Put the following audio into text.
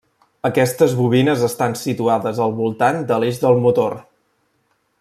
Aquestes bobines estan situades al voltant de l'eix del motor.